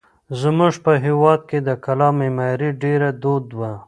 زموږ په هېواد کې د کلا معمارۍ ډېره دود وه.